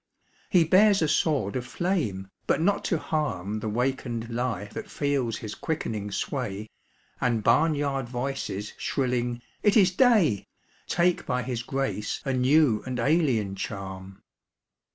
He bears a sword of flame but not to harm The wakened life that feels his quickening sway And barnyard voices shrilling "It is day!" Take by his grace a new and alien charm.